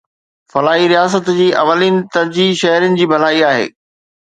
فلاحي رياست جي اولين ترجيح شهرين جي ڀلائي آهي